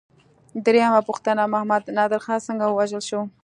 درېمه پوښتنه: محمد نادر خان څنګه ووژل شو؟